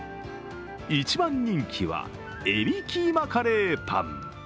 一番人気は海老キーマカレーパン。